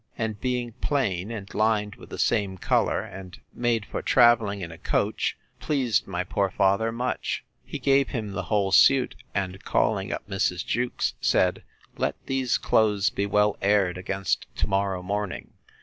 And being plain, and lined with the same colour, and made for travelling in a coach, pleased my poor father much. He gave him the whole suit, and, calling up Mrs. Jewkes, said, Let these clothes be well aired against to morrow morning.